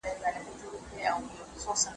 هغه وویل چې دی غواړي یو ډاکټر شي.